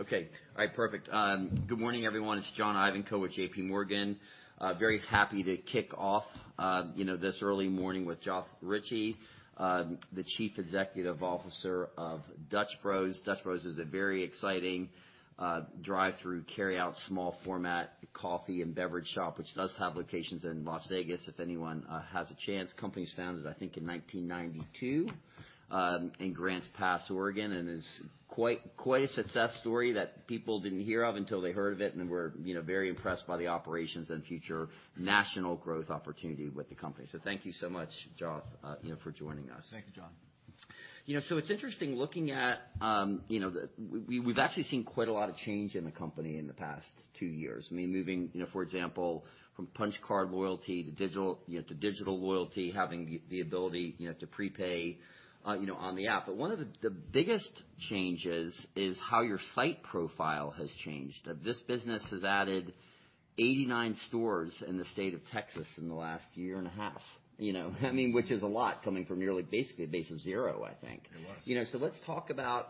Okay. All right, perfect. Good morning, everyone. It's John Ivankoe with JP Morgan. Very happy to kick off, this early morning with Joth Ricci, the Chief Executive Officer of Dutch Bros. Dutch Bros is a very exciting, drive-through carryout, small format coffee and beverage shop, which does have locations in Las Vegas, if anyone, has a chance. Company was founded, in 1992, in Grants Pass, Oregon, and is quite a success story that people didn't hear of until they heard of it and were, very impressed by the operations and future national growth opportunity with the company. Thank you so much, Joth, for joining us. Thank you, John. it's interesting looking at, we've actually seen quite a lot of change in the company in the past two years. Moving, for example, from punch card loyalty to digital, to digital loyalty, having the ability, to prepay, on the app. One of the biggest changes is how your site profile has changed. This business has added 89 stores in the state of Texas in the last year and a half. Mm-hmm. Which is a lot coming from nearly basically a base of zero. It was. let's talk about,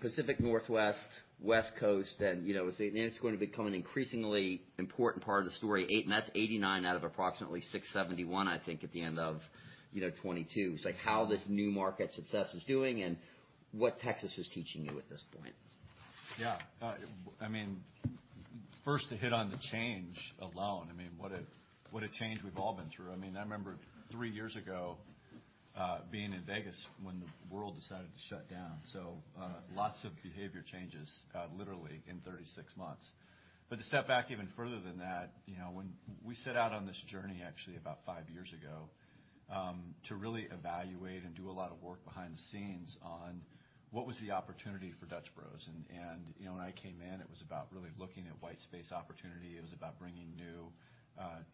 Pacific Northwest, West Coast, and, it's going to become an increasingly important part of the story. That's 89 out of approximately 671, at the end of, 2022. It's like how this new market success is doing and what Texas is teaching you at this point. First to hit on the change alone. what a, what a change we've all been through. I mean, I remember three years ago, being in Vegas when the world decided to shut down. Yeah Lots of behavior changes, literally in 36 months. To step back even further than that, when we set out on this journey actually about five years ago, to really evaluate and do a lot of work behind the scenes on what was the opportunity for Dutch Bros. when I came in, it was about really looking at white space opportunity. It was about bringing new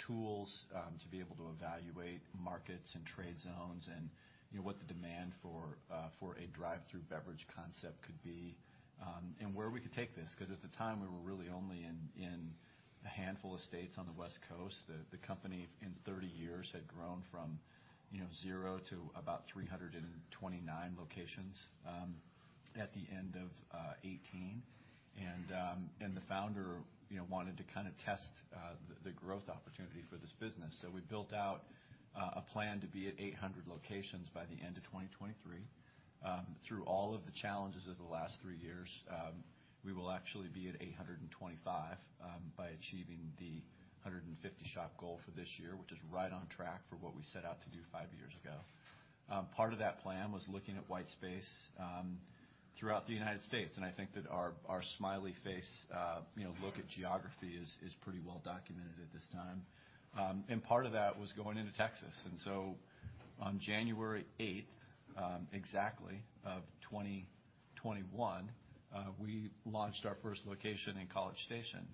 tools to be able to evaluate markets and trade zones and, what the demand for a drive-through beverage concept could be, and where we could take this. At the time, we were really only in a handful of states on the West Coast. The company, in 30 years, had grown from, 0 to about 329 locations at the end of 2018. The founder, wanted to kind of test the growth opportunity for this business. We built out a plan to be at 800 locations by the end of 2023. Through all of the challenges of the last three years, we will actually be at 825 by achieving the 150 shop goal for this year, which is right on track for what we set out to do 5 years ago. Part of that plan was looking at white space throughout the United States, that our smiley face, look at geography is pretty well documented at this time. Part of that was going into Texas. On January 8th, exactly, of 2021, we launched our first location in College Station.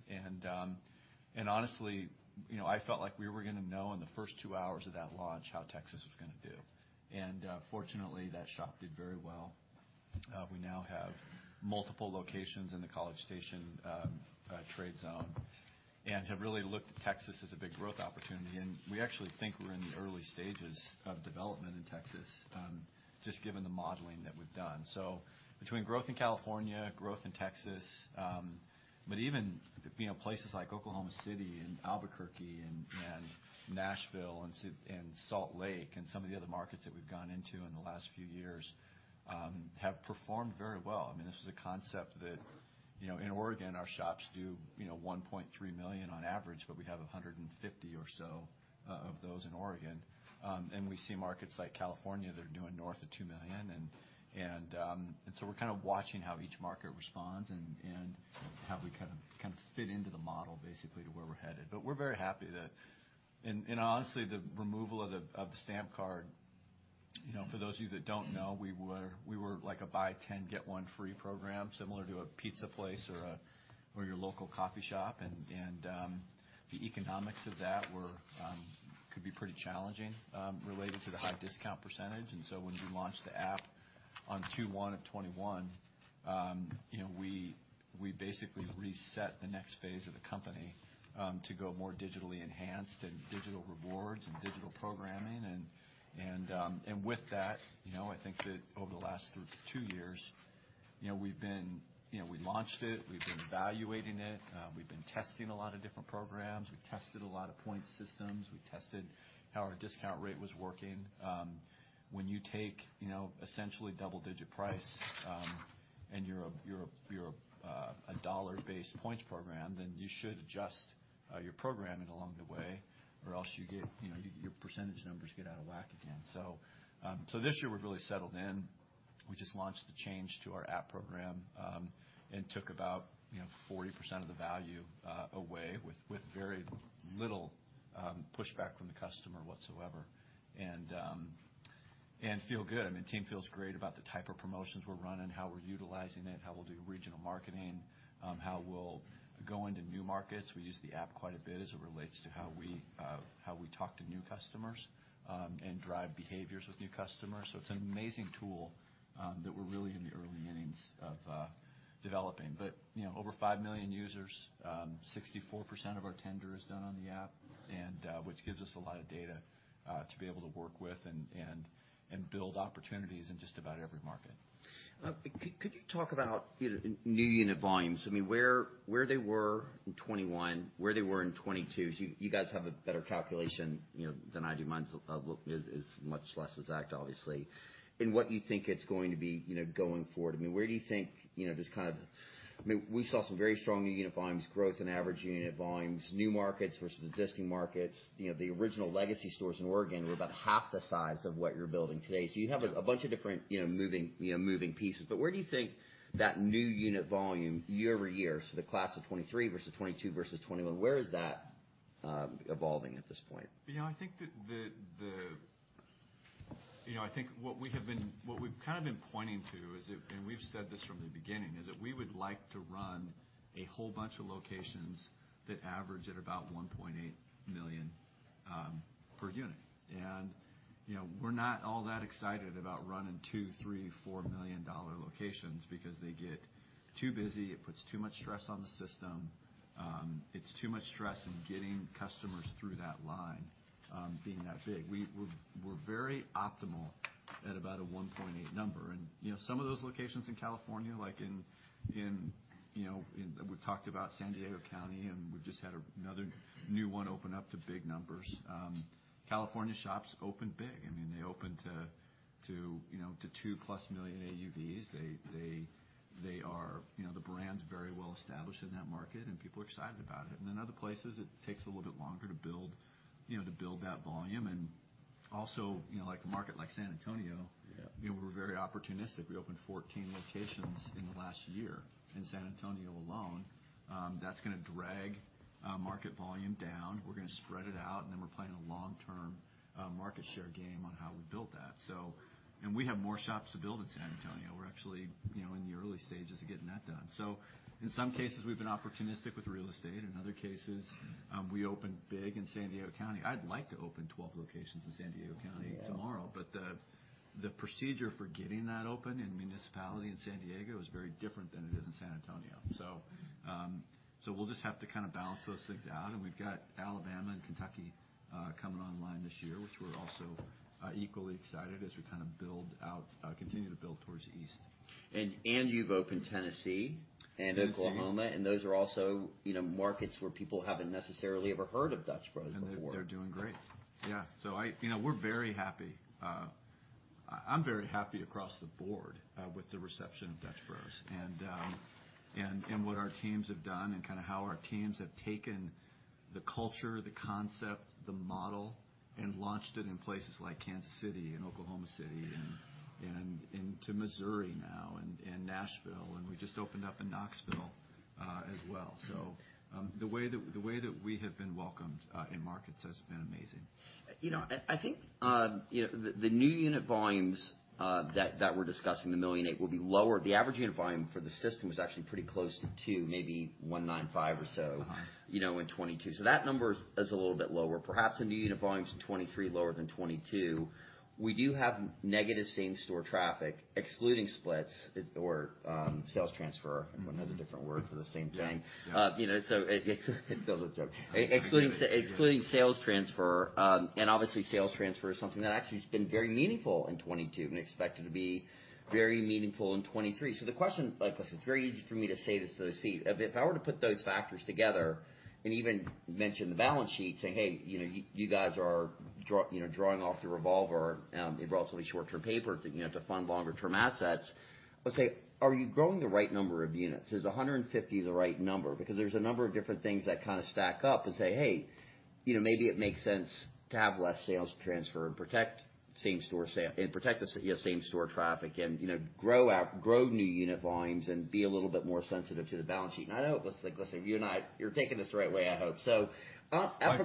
Honestly, I felt like we were going to know in the first two hours of that launch how Texas was going to do. Fortunately, that shop did very well. We now have multiple locations in the College Station, trade zone and have really looked at Texas as a big growth opportunity. We actually think we're in the early stages of development in Texas, just given the modeling that we've done. Between growth in California, growth in Texas, but even, places like Oklahoma City and Albuquerque and Nashville and Salt Lake and some of the other markets that we've gone into in the last few years, have performed very well. This is a concept that, in Oregon, our shops do, $1.3 million on average, but we have 150 or so of those in Oregon. We see markets like California that are doing north of $2 million. We're kind of watching how each market responds and how we kind of fit into the model basically to where we're headed. We're very happy that. Honestly, the removal of the stamp card, for those of you that don't know, we were like a buy 10, get 1 free program, similar to a pizza place or your local coffee shop. The economics of that were could be pretty challenging related to the high discount percentage. When we launched the app on Q1 of 2021, we basically reset the next phase of the company to go more digitally enhanced and digital rewards and digital programming. With that, I think that over the last two years, we launched it, we've been evaluating it, we've been testing a lot of different programs. We tested a lot of point systems. We tested how our discount rate was working. When you take, essentially double-digit price, and you're a dollar-based points program, then you should adjust your programming along the way, or else you get, your % numbers get out of whack again. This year we've really settled in. We just launched the change to our app program, and took about, 40% of the value away with very little pushback from the customer whatsoever, and feel good. I mean, the team feels great about the type of promotions we're running, how we're utilizing it, how we'll do regional marketing, how we'll go into new markets. We use the app quite a bit as it relates to how we, how we talk to new customers, and drive behaviors with new customers. It's an amazing tool that we're really in the early innings of developing. over five million users, 64% of our tender is done on the app, and which gives us a lot of data to be able to work with and build opportunities in just about every market. Could you talk about, new unit volumes? where they were in 2021, where they were in 2022. You evreyone have a better calculation, than I do. Mine's much less exact, obviously. What you think it's going to be, going forward. I mean, where do you think, just we saw some very strong new unit volumes, growth in average unit volumes, new markets versus existing markets. the original legacy stores in Oregon were about half the size of what you're building today. You have a bunch of different, moving pieces. Where do you think that new unit volume year-over-year, so the class of 2023 versus 2022 versus 2021, where is that evolving at this point? What we've kind of been pointing to is that, and we've said this from the beginning, is that we would like to run a whole bunch of locations that average at about $1.8 million per unit. we're not all that excited about running $2 million, $3 million, $4 million dollar locations because they get too busy, it puts too much stress on the system. It's too much stress in getting customers through that line, being that big. We're very optimal at about a $1.8 number. some of those locations in California, like in, in. We've talked about San Diego County, and we've just had another new one open up to big numbers. California shops open big. They open to, to $2+ million AUVs. They are, the brand's very well established in that market, and people are excited about it. Other places, it takes a little bit longer to build, to build that volume. Also, like a market like San Antonio. Yeah. we're very opportunistic. We opened 14 locations in the last year in San Antonio alone. That's going to drag market volume down. We're going to spread it out, and then we're playing a long-term market share game on how we build that. We have more shops to build in San Antonio. We're actually, in the early stages of getting that done. In some cases, we've been opportunistic with real estate. In other cases, we opened big in San Diego County. I'd like to open 12 locations in San Diego County tomorrow. Yeah. The procedure for getting that open in municipality in San Diego is very different than it is in San Antonio. We'll just have to kinda balance those things out. We've got Alabama and Kentucky coming online this year, which we're also equally excited as we kind of build out, continue to build towards the east. You've opened Tennessee and Oklahoma. Tennessee. Those are also, markets where people haven't necessarily ever heard of Dutch Bros before. They're doing great. Yeah. We're very happy. I'm very happy across the board with the reception of Dutch Bros and what our teams have done and kinda how our teams have taken the culture, the concept, the model, and launched it in places like Kansas City and Oklahoma City and into Missouri now and Nashville. We just opened up in Knoxville as well. The way that we have been welcomed in markets has been amazing. The new unit volumes that we're discussing, the $1.8 million, will be lower. The Average Unit Volume for the system was actually pretty close to 2, maybe 1.95 or so. Uh-huh. In 22. That number is a little bit lower. Perhaps the new unit volume's 23 lower than 22. We do have negative same store traffic, excluding splits or sales transfer. Everyone has a different word for the same thing. Yeah. it feels like a joke. I get it. Yeah. Excluding sales transfer, and obviously sales transfer is something that actually has been very meaningful in 2022 and expected to be very meaningful in 2023. The question, like I said, it's very easy for me to say this to the seat. If I were to put those factors together and even mention the balance sheet, saying, "Hey, you guys are draw, drawing off the revolver, in relatively short-term paper to, to fund longer term assets," I'll say, "Are you growing the right number of units? Is 150 the right number?" Because there's a number of different things that kinda stack up and say, "Hey, maybe it makes sense to have less sales transfer and protect same store sales. Protect the same store traffic and, grow new unit volumes and be a little bit more sensitive to the balance sheet. I know it looks like, listen, you and I, you're taking this the right way, I hope. From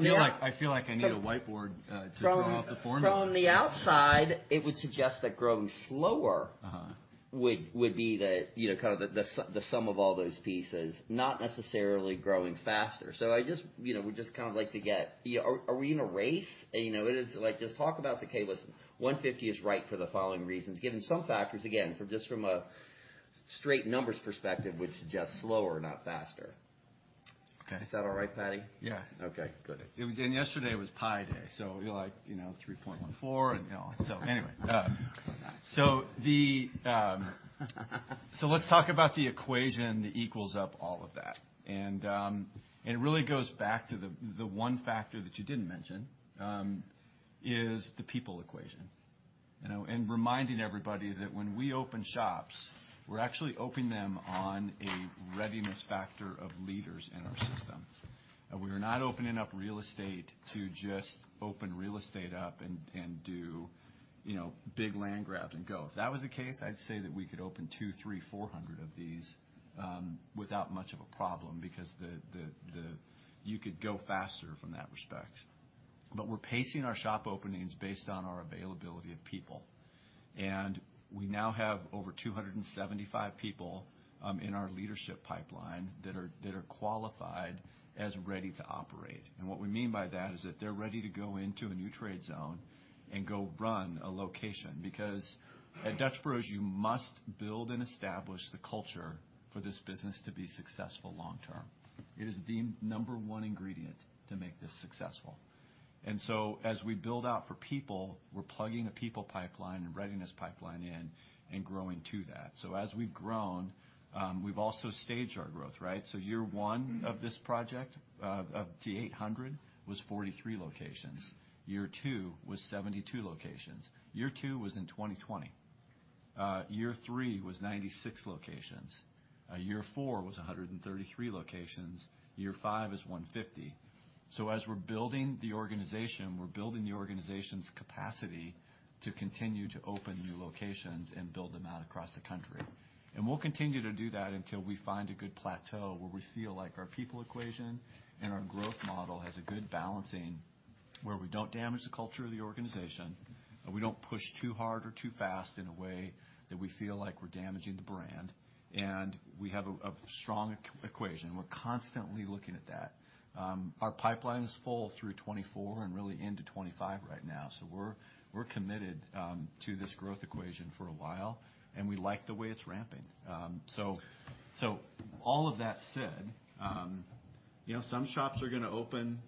the I feel like I need a whiteboard, to draw out the formulas. From the outside, it would suggest that growing slower Uh-huh. Would be the, kind of the sum of all those pieces, not necessarily growing faster. I just, would just kind of like to get. are we in a race? just talk about, okay, listen, 150 is right for the following reasons, given some factors, again, from just from a straight numbers perspective, which suggests slower, not faster. Okay. Is that all right, Patty? Yeah. Okay, good. Yesterday was Pi Day, so you're like, 3.14 and all. Let's talk about the equation that equals up all of that. It really goes back to the one factor that you didn't mention, is the people equation. Reminding everybody that when we open shops, we're actually opening them on a readiness factor of leaders in our system. We are not opening up real estate to just open real estate up and do, big land grabs and go. If that was the case, I'd say that we could open 200, 300, 400 of these without much of a problem because you could go faster from that respect. We're pacing our shop openings based on our availability of people. We now have over 275 people in our leadership pipeline that are qualified as ready to operate. What we mean by that is that they're ready to go into a new trade zone and go run a location. At Dutch Bros, you must build and establish the culture for this business to be successful long term. It is the 1 ingredient to make this successful. As we build out for people, we're plugging a people pipeline and readiness pipeline in and growing to that. As we've grown, we've also staged our growth, right? Year one of this project, up to 800 was 43 locations. Year 2 was 72 locations. Year 2 was in 2020. Year 3 was 96 locations. Year 4 was 133 locations. Year 5 is 150. As we're building the organization, we're building the organization's capacity to continue to open new locations and build them out across the country. We'll continue to do that until we find a good plateau where we feel like our people equation and our growth model has a good balancing where we don't damage the culture of the organization, and we don't push too hard or too fast in a way that we feel like we're damaging the brand, and we have a strong equation. We're constantly looking at that. Our pipeline is full through 2024 and really into 2025 right now. We're, we're committed to this growth equation for a while, and we like the way it's ramping. All of that said, some shops are going to open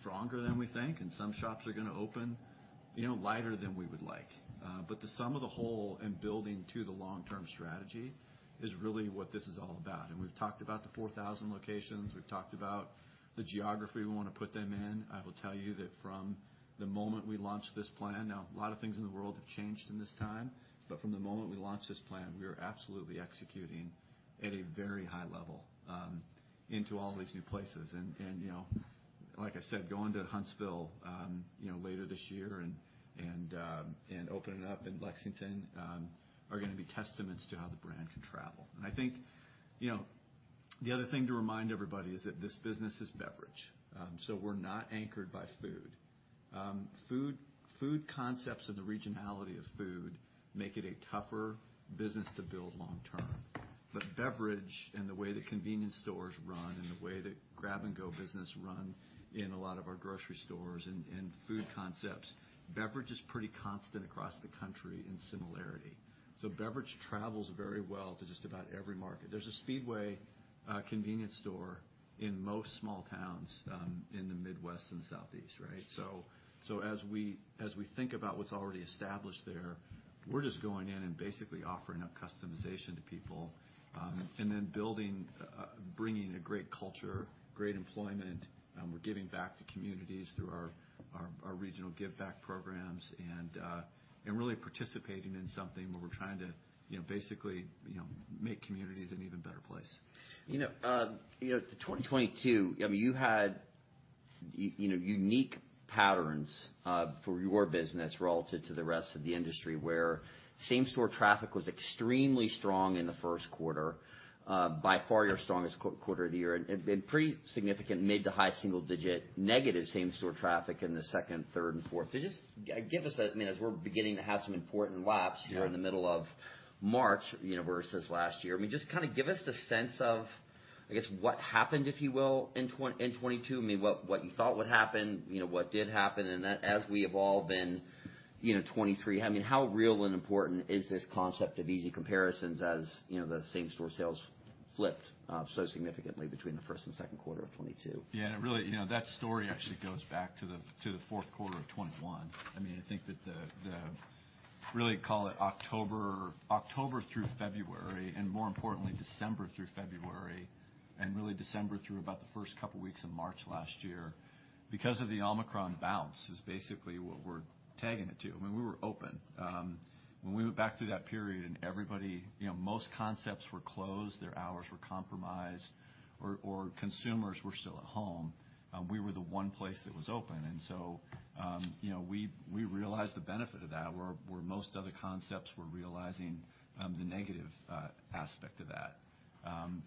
stronger than we think, and some shops are going to open, lighter than we would like. The sum of the whole in building to the long-term strategy is really what this is all about. We've talked about the 4,000 locations, we've talked about the geography we want to put them in. I will tell you that from the moment we launched this plan, now a lot of things in the world have changed in this time, but from the moment we launched this plan, we are absolutely executing at a very high level, into all these new places. Like I said, going to Huntsville, later this year and opening up in Lexington, are going to be testaments to how the brand can travel. The other thing to remind everybody is that this business is beverage, so we're not anchored by food. Food concepts and the regionality of food make it a tougher business to build long term. Beverage and the way that convenience stores run and the way that grab-and-go business run in a lot of our grocery stores and food concepts, beverage is pretty constant across the country in similarity. Beverage travels very well to just about every market. There's a Speedway, convenience store in most small towns, in the Midwest and Southeast, right? As we think about what's already established there, we're just going in and basically offering up customization to people, and then building, bringing a great culture, great employment, we're giving back to communities through our regional give back programs, and really participating in something where we're trying to, basically, make communities an even better place. 2022, you had unique patterns for your business relative to the rest of the industry, where same store traffic was extremely strong in the first quarter, by far your strongest quarter of the year, and pretty significant mid to high single digit negative same store traffic in the second, third, and fourth. Just give us, I mean, as we're beginning to have some important laps. Yeah. Here in the middle of March, versus last year, just kind of give us the sense of, I guess, what happened, if you will, in 2022, I mean, what you thought would happen, what did happen, and then as we evolve in, 2023, I mean, how real and important is this concept of easy comparisons as, the same store sales flipped so significantly between the first and second quarter of 2022? Really, that story actually goes back to the Q4 of 2021. that really call it October through February, more importantly, December through February, really December through about the first couple of weeks of March last year. Because of the Omicron bounce is basically what we're tagging it to. I mean, we were open. When we went back through that period everybody, most concepts were closed, their hours were compromised or consumers were still at home, we were the one place that was open. So, we realized the benefit of that, where most other concepts were realizing the negative aspect to that.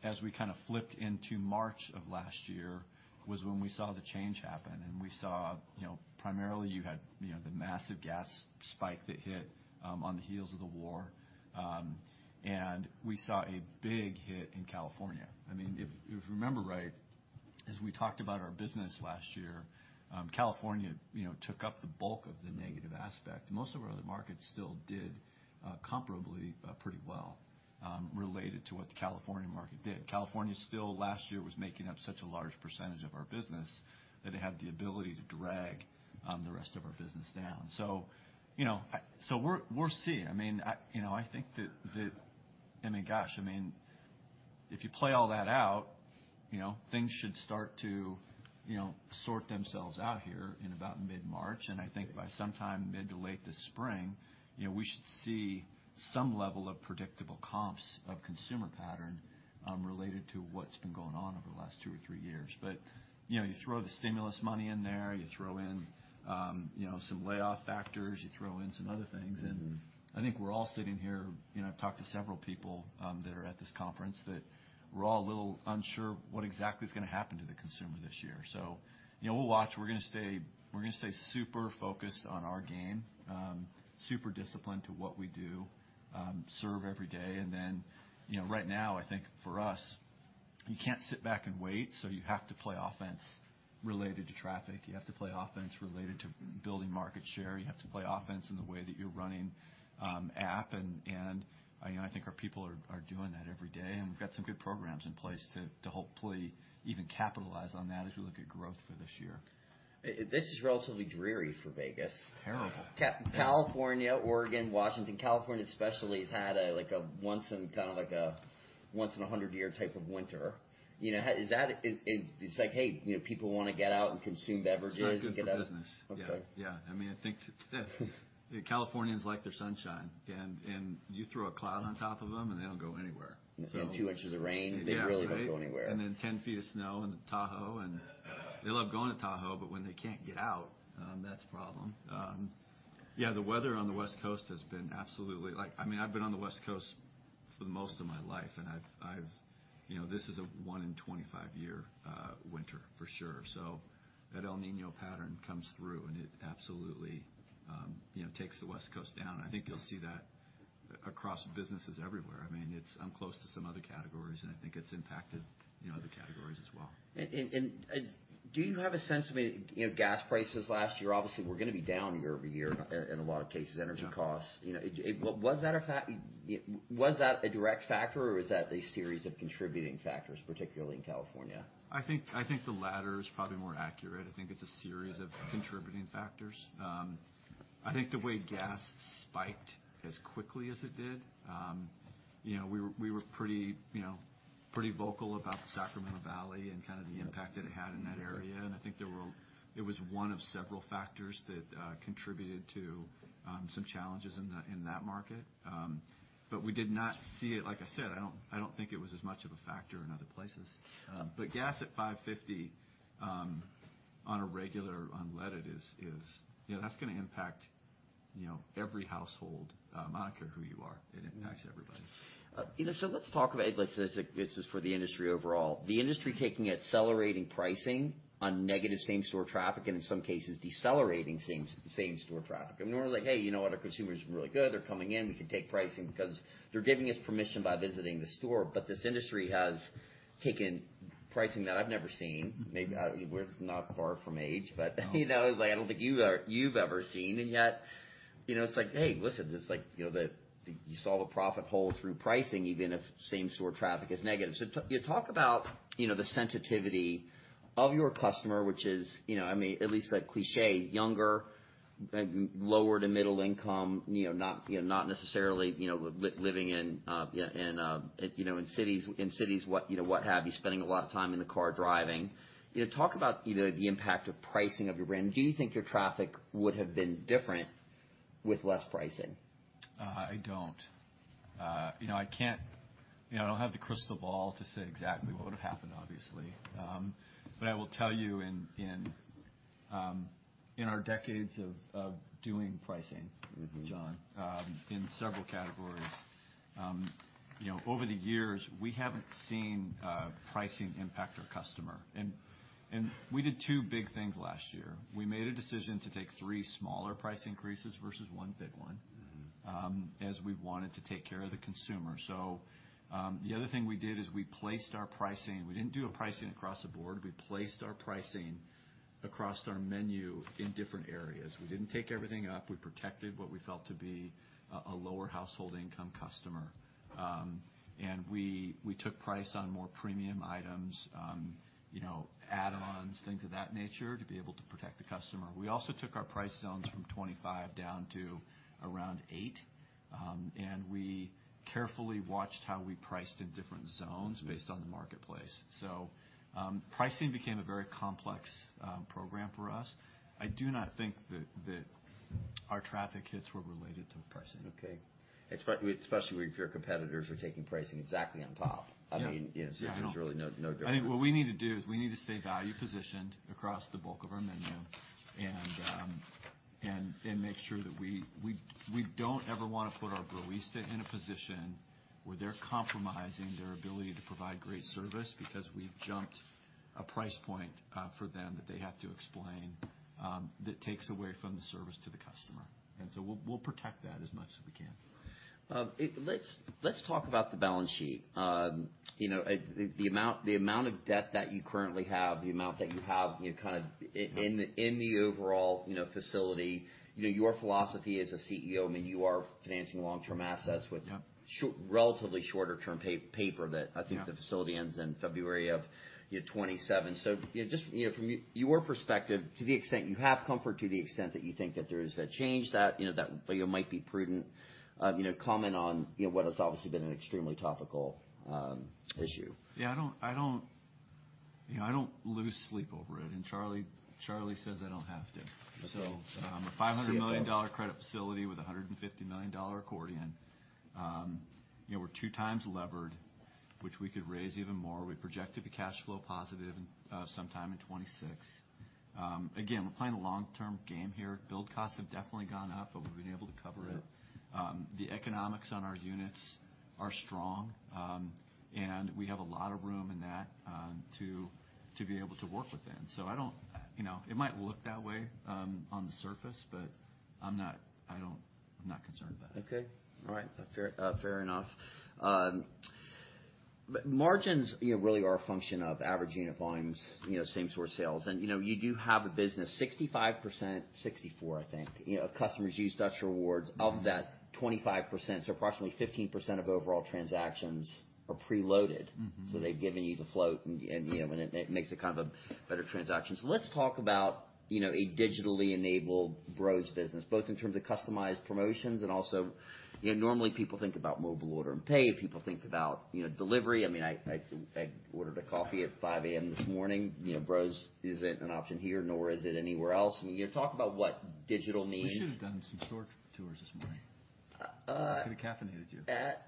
As we kind of flipped into March of last year, was when we saw the change happen, and we saw, primarily you had, the massive gas spike that hit, on the heels of the war. We saw a big hit in California. I mean. Mm-hmm. If I remember right, as we talked about our business last year, California, took up the bulk of the negative aspect. Most of our other markets still did comparably pretty well related to what the California market did. California still last year was making up such a large percentage of our business that it had the ability to drag the rest of our business down. So we're seeing. I mean, I, I think that I mean, gosh, I mean, if you play all that out, things should start to, sort themselves out here in about mid-March. By sometime mid to late this spring, we should see some level of predictable comps of consumer pattern, related to what's been going on over the last two or three years. you throw the stimulus money in there, you throw in, some layoff factors, you throw in some other things. Mm-hmm. I think we're all sitting here, I've talked to several people that are at this conference, that we're all a little unsure what exactly is going to happen to the consumer this year. we'll watch. We're going to stay super focused on our game, super disciplined to what we do, serve every day. right now, I think for us, you can't sit back and wait, so you have to play offense related to traffic. You have to play offense related to building market share, you have to play offense in the way that you're running app, and, I think our people are doing that every day, and we've got some good programs in place to hopefully even capitalize on that as we look at growth for this year. This is relatively dreary for Vegas. Terrible. California, Oregon, Washington. California especially has had a kind of like a once in a 100 year type of winter. it's like, hey, people want to get out and consume beverages. It's not good for business. Okay. That Californians like their sunshine, and you throw a cloud on top of them, and they don't go anywhere, so. You get two inches of rain. Yeah, right. They really don't go anywhere. 10 feet of snow in Tahoe, and they love going to Tahoe, but when they can't get out, that's a problem. Yeah, the weather on the West Coast has been absolutely like. I've been on the West Coast for the most of my life, and I've this is a 1 in 25 year winter, for sure. That El Niño pattern comes through, and it absolutely, takes the West Coast down. I think you'll see that across businesses everywhere. I mean, it's I'm close to some other categories, and I think it's impacted, other categories as well. Do you have a sense, gas prices last year, obviously were going to be down year-over-year in a lot of cases. Yeah. Energy costs. Was that a fact? Was that a direct factor, or was that a series of contributing factors, particularly in California? I think the latter is probably more accurate. I think it's a series of contributing factors. I think the way gas spiked as quickly as it did, we were pretty, pretty vocal about the Sacramento Valley and kind of the impact that it had in that area. I think there were. It was one of several factors that contributed to some challenges in that market. We did not see it. Like I said, I don't think it was as much of a factor in other places. Gas at $5.50 on a regular unleaded is, that's going to impact, every household, I don't care who you are. It impacts everybody. let's talk about, like, this is for the industry overall. The industry taking accelerating pricing on negative same store traffic, and in some cases decelerating same store traffic. We're like, "Hey, you know what? Our consumer's really good. They're coming in. We can take pricing because they're giving us permission by visiting the store." This industry has taken pricing that I've never seen. Mm-hmm. Maybe, we're not far from age. No. Like, I don't think you've ever seen, and yet, it's like, hey, listen, this is like, the, you saw the profit hole through pricing, even if same store traffic is negative. You talk about, the sensitivity of your customer, which is, I mean, at least a cliché, younger, like lower to middle income, not, not necessarily, living in cities what Have you, spending a lot of time in the car driving. talk about either the impact of pricing of your brand. Do you think your traffic would have been different with less pricing? I don't have the crystal ball to say exactly what would've happened, obviously. I will tell you in our decades of doing pricing... Mm-hmm John, in several categories, over the years, we haven't seen, pricing impact our customer. We did two big things last year. We made a decision to take three smaller price increases versus 1 big one. Mm-hmm. As we wanted to take care of the consumer. The other thing we did is we placed our pricing. We didn't do a pricing across the board. We placed our pricing across our menu in different areas. We didn't take everything up. We protected what we felt to be a lower household income customer. And we took price on more premium items, add-ons, things of that nature, to be able to protect the customer. We also took our price zones from 25 down to around eight, and we carefully watched how we priced in different zones based on the marketplace. Pricing became a very complex program for us. I do not think that our traffic hits were related to pricing. Okay. Especially if your competitors are taking pricing exactly on top. Yeah. I mean. Yeah, I know. There's really no difference. What we need to do is we need to stay value positioned across the bulk of our menu and make sure that we don't ever want to put our barista in a position where they're compromising their ability to provide great service because we've jumped a price point for them that they have to explain that takes away from the service to the customer. We'll protect that as much as we can. Let's talk about the balance sheet. the amount of debt that you currently have, the amount that you have, kind of in the overall, facility. your philosophy as a CEO, I mean, you are financing long-term assets with. Yeah Short, relatively shorter term paper that- Yeah The facility ends in February of, 2027. just, from your perspective, to the extent you have comfort, to the extent that you think that there is a change that, might be prudent, comment on, what has obviously been an extremely topical, issue. I don't lose sleep over it, and Charlie says I don't have to. Okay. So, See you then. A $500 million credit facility with a $150 million accordion. we're 2x levered, which we could raise even more. We projected the cash flow positive sometime in 2026. Again, we're playing a long-term game here. Build costs have definitely gone up, but we've been able to cover it. The economics on our units are strong, and we have a lot of room in that to be able to work within. it might look that way on the surface, but I'm not concerned about it. Okay. All right. Fair, fair enough. Margins, really are a function of averaging of volumes, same store sales. you do have a business 65%, 64, I think, of customers use Dutch Rewards. Of that 25%, so approximately 15% of overall transactions are preloaded. Mm-hmm. They've given you the float and, it makes it kind of a better transaction. Let's talk about, a digitally enabled Bros business, both in terms of customized promotions and also, normally people think about mobile order and pay, people think about, delivery. I ordered a coffee at 5:00 A.M. this morning. Bros isn't an option here, nor is it anywhere else. I mean, talk about what digital means? We should have done some store tours this morning. Could have caffeinated you.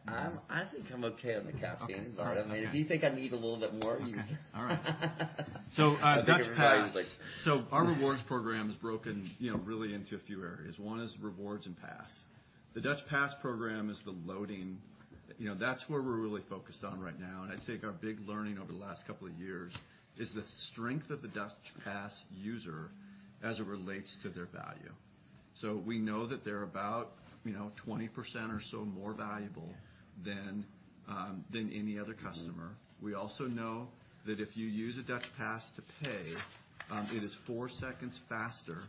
I think I'm okay on the caffeine, Vlad. Okay. All right. Okay. If you think I need a little bit more, you can. Okay. All right. Dutch Pass. I think everybody's like. Our rewards program is broken, really into a few areas. One is rewards and pass. The Dutch Pass program is the loading. that's where we're really focused on right now, and I think our big learning over the last couple of years is the strength of the Dutch Pass user as it relates to their value. We know that they're about, 20% or so more valuable- Yeah. than any other customer. Mm-hmm. We also know that if you use a Dutch Pass to pay, it is four seconds faster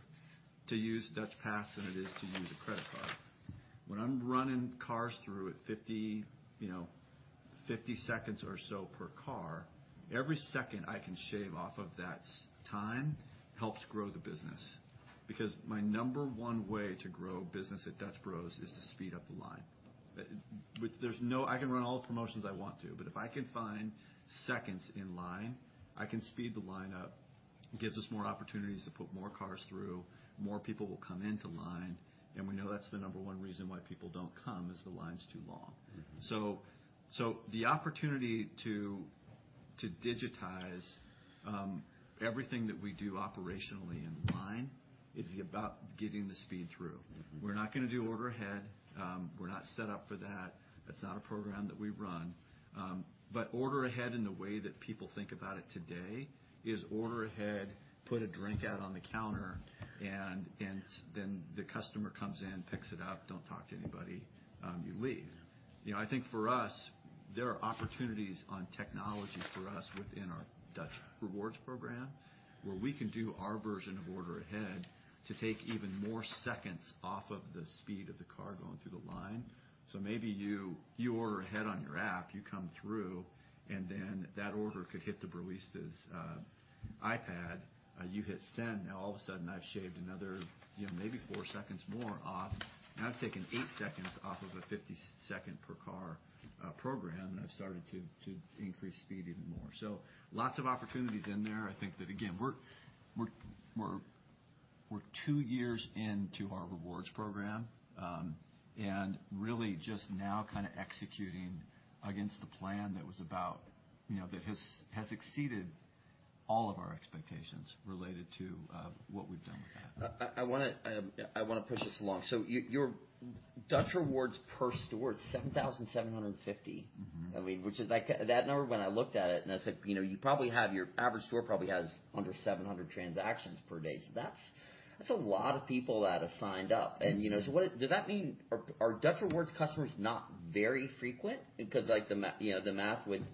to use Dutch Pass than it is to use a credit card. When I'm running cars through at 50, 50 seconds or so per car, every second I can shave off of that time helps grow the business. My number 1 way to grow business at Dutch Bros is to speed up the line. I can run all the promotions I want to, but if I can find seconds in line, I can speed the line up. It gives us more opportunities to put more cars through. More people will come into line. We know that's the number 1 reason why people don't come, is the line's too long. Mm-hmm. The opportunity to digitize, everything that we do operationally in line is about getting the speed through. Mm-hmm. We're not going to do order ahead. We're not set up for that. That's not a program that we run. Order ahead in the way that people think about it today is order ahead, put a drink out on the counter, and then the customer comes in, picks it up, don't talk to anybody, you leave. Yeah. For us, there are opportunities on technology for us within our Dutch Rewards program, where we can do our version of order ahead to take even more seconds off of the speed of the car going through the line. Maybe you order ahead on your app, you come through, and then that order could hit the barista's iPad. You hit Send. All of a sudden I've shaved another, maybe four seconds more off. I've taken eight seconds off of a 50-second per car program, and I've started to increase speed even more. Lots of opportunities in there. I think that, again, we're two years into our rewards program, and really just now kind of executing against the plan that was about... That has exceeded all of our expectations related to what we've done with that. I want to push this along. Your Dutch Rewards per store is $7,750. Mm-hmm. Which is like. That number, when I looked at it and I said, Your average store probably has under 700 transactions per day. That's a lot of people that have signed up. Mm-hmm. So what does that mean? Are Dutch Rewards customers not very frequent? Because, like, the math would,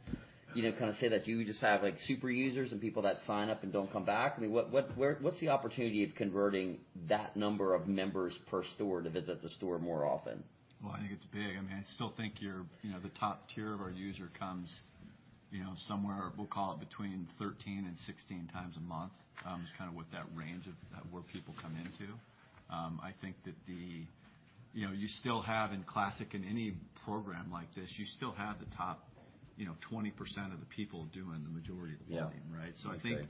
kind of say that you just have, like, super users and people that sign up and don't come back. I mean, what, where? What's the opportunity of converting that number of members per store to visit the store more often? Well, I think it's big. I still think the top tier of our user comes, somewhere, we'll call it between 13 and 16 times a month. It's kind of what that range of where people come into. I think that you still have in classic in any program like this, you still have the top, 20% of the people doing the majority of the volume, right? Yeah. Okay.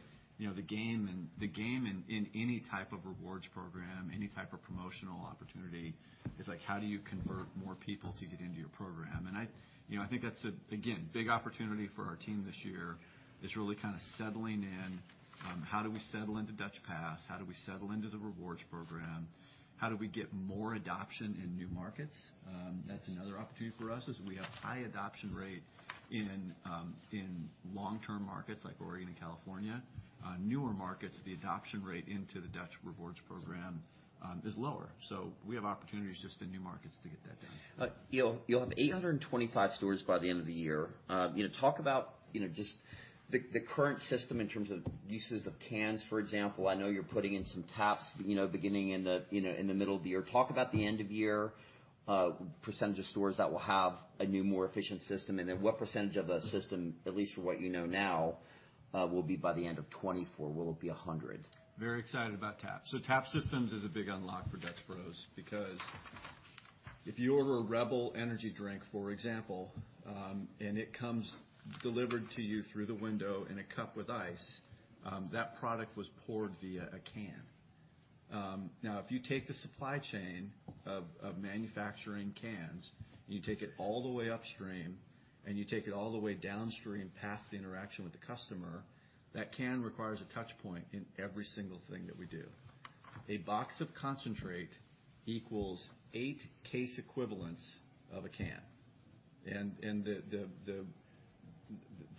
The game in any type of rewards program, any type of promotional opportunity is, like, how do you convert more people to get into your program? I think that's a, again, big opportunity for our team this year, is really kind of settling in, how do we settle into Dutch Pass? How do we settle into the rewards program? How do we get more adoption in new markets? That's another opportunity for us, is we have high adoption rate in long-term markets like Oregon and California. Newer markets, the adoption rate into the Dutch Rewards program is lower. We have opportunities just in new markets to get that done. You'll have 825 stores by the end of the year. talk about, just the current system in terms of uses of cans, for example. I know you're putting in some taps, beginning in the middle of the year. Talk about the end of year percentage of stores that will have a new, more efficient system, and then what percentage of the system, at least from what you know now, will be by the end of 2024? Will it be 100? Very excited about taps. Tap systems is a big unlock for Dutch Bros, because if you order a Rebel energy drink, for example, and it comes delivered to you through the window in a cup with ice, that product was poured via a can. Now, if you take the supply chain of manufacturing cans and you take it all the way upstream, and you take it all the way downstream past the interaction with the customer, that can requires a touch point in every single thing that we do. A box of concentrate equals eight case equivalents of a can.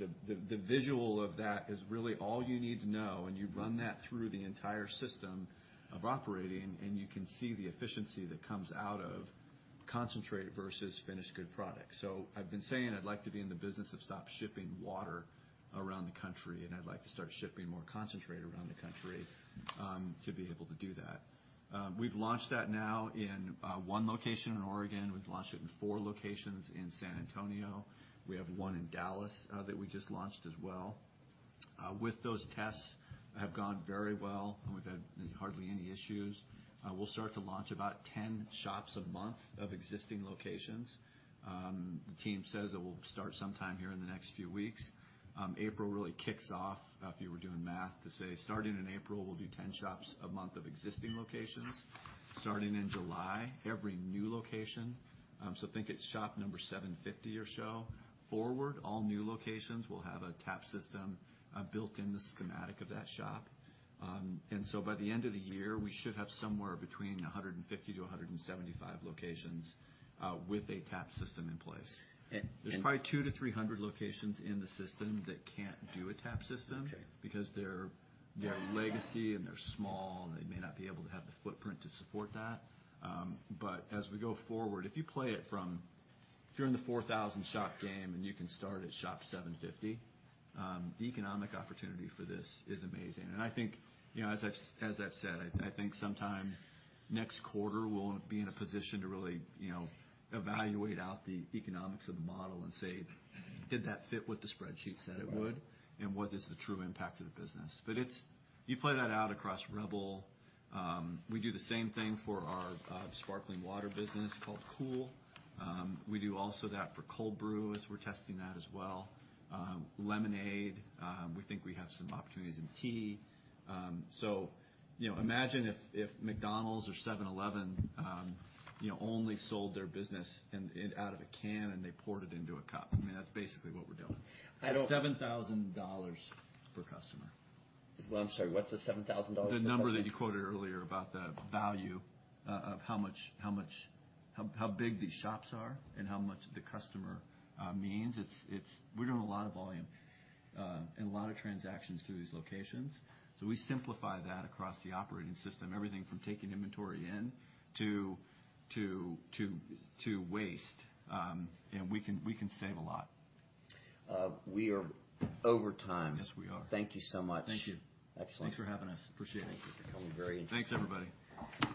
The visual of that is really all you need to know, and you run that through the entire system of operating, and you can see the efficiency that comes out of concentrate versus finished good product. I've been saying I'd like to be in the business of stop shipping water around the country, and I'd like to start shipping more concentrate around the country to be able to do that. We've launched that now in 1 location in Oregon. We've launched it in 4 locations in San Antonio. We have 1 in Dallas that we just launched as well. With those tests have gone very well, and we've had hardly any issues. We'll start to launch about 10 shops a month of existing locations. The team says it will start sometime here in the next few weeks. April really kicks off, if you were doing math, to say starting in April will be 10 shops a month of existing locations. Starting in July, every new location, so think it's shop number 750 or so, forward, all new locations will have a tap system built in the schematic of that shop. By the end of the year, we should have somewhere between 150-175 locations with a tap system in place. There's probably 200-300 locations in the system that can't do a tap system. Okay, because they're legacy and they're small, and they may not be able to have the footprint to support that. But as we go forward, if you play it If you're in the 4,000 shop game and you can start at shop 750, the economic opportunity for this is amazing. As I've said, I think sometime next quarter we'll be in a position to really, evaluate out the economics of the model and say, did that fit what the spreadsheet said it would? Right. What is the true impact to the business? It's. You play that out across Rebel. We do the same thing for our sparkling water business called Kool. We do also that for cold brew, as we're testing that as well. Lemonade, we think we have some opportunities in tea. imagine if McDonald's or 7-Eleven, only sold their business in, out of a can and they poured it into a cup. I mean, that's basically what we're doing. $7,000 per customer. Well, I'm sorry, what's the $7,000 per customer? The number that you quoted earlier about the value, of how much, how big these shops are and how much the customer means. It's We're doing a lot of volume and a lot of transactions through these locations. We simplify that across the operating system. Everything from taking inventory in to waste, and we can save a lot. We are over time. Yes, we are. Thank you so much. Thank you. Excellent. Thanks for having us. Appreciate it. Thanks. It's been very interesting. Thanks, everybody.